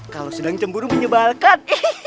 kalau sedang cemburu menyebalkan